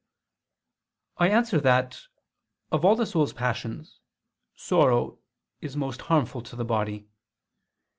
I answer that, Of all the soul's passions, sorrow is most harmful to the body.